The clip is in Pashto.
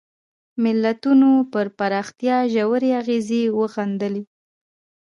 ملتونو پر پراختیا ژورې اغېزې وښندلې.